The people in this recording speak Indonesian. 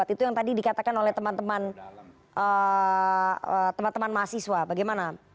itu yang tadi dikatakan oleh teman teman mahasiswa bagaimana